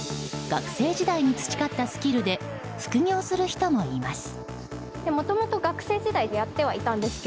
学生時代に培ったスキルで副業する人もいます。